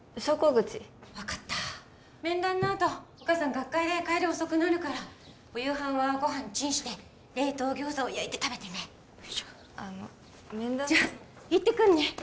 口分かった面談のあとお母さん学会で帰り遅くなるからお夕飯はご飯チンして冷凍餃子を焼いて食べてねあの面談のじゃあ行ってくるね